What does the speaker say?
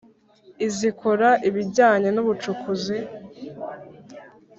Izikora ibijyanye n ubucukuzi